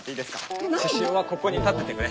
えっ何⁉獅子王はここに立っててくれ。